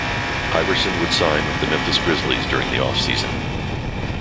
Iverson would sign with the Memphis Grizzlies during the offseason.